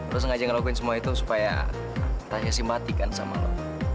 lo sengaja ngelakuin semua itu supaya tasya simpatikan sama lo